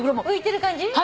浮いてる感じ？